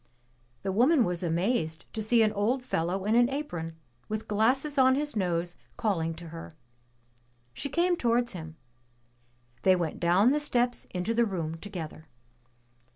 '' The woman was amazed to see an old fellow in an apron, with glasses on his nose calling to her. She came towards him. They went down the steps into the room together.